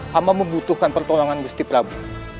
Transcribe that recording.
hamba membutuhkan pertolongan gusti prabu